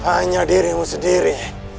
hanya dirimu sendiri